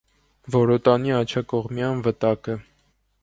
Որոտանի աջակողմյան վտակը։